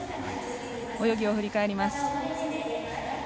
泳ぎを振り返ります。